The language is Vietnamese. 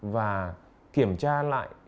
và kiểm tra lại